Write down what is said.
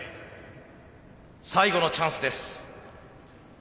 最後のチャンスです。